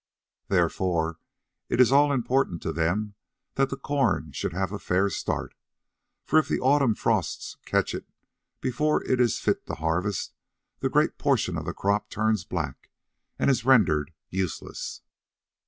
Therefore, it is all important to them that the corn should have a fair start, for if the autumn frosts catch it before it is fit to harvest the great proportion of the crop turns black and is rendered useless.